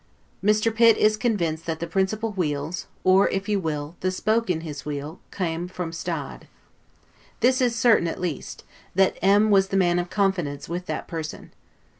Mr. Pitt is convinced that the principal wheels, or, if you will, the spoke in his wheel, came from Stade. This is certain, at least that M t was the man of confidence with that person.